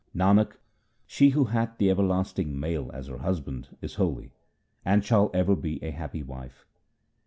Nanak, she who hath the everlasting Male as her Husband is holy, and shall ever be a happy wife.